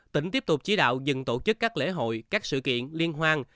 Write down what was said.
tỉnh tiếp tục chỉ đạo dừng tổ chức các lễ hội các sự kiện liên hoan